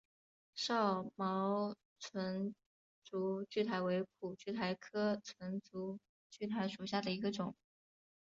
少毛唇柱苣苔为苦苣苔科唇柱苣苔属下的一个种。